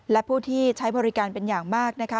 และผู้ที่ใช้บริการเป็นอย่างมากนะคะ